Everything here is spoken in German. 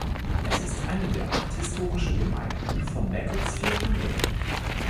Es ist eine der acht historischen Gemeinden von Macclesfield Hundred.